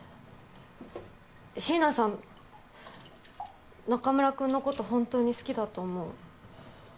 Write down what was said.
椎名さん中村くんの事本当に好きだと思う。